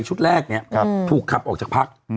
ชุดแรกเนี่ยถูกขับออกจากพัก